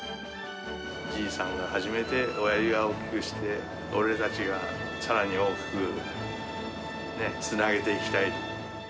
じいさんが始めて、おやじが大きくして、俺たちがさらに大きくつなげていきたい。